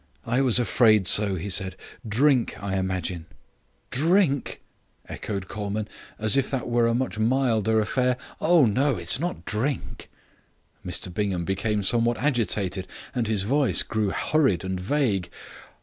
"I was afraid so," he said. "Drink, I imagine." "Drink!" echoed Colman, as if that were a much milder affair. "Oh, no, it's not drink." Mr Bingham became somewhat agitated, and his voice grew hurried and vague.